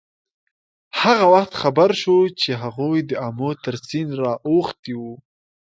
هغه وخت خبر شو چې هغوی د آمو تر سیند را اوښتي وو.